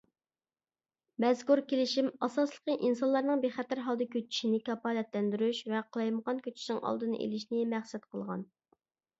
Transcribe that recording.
مەزكۇر كېلىشىم ئاساسلىقى ئىنسانلارنىڭ بىخەتەر ھالدا كۆچۈشىنى كاپالەتلەندۈرۈش ۋە قالايمىقان كۆچۈشنىڭ ئالدىنى ئېلىشنى مەقسەت قىلغان.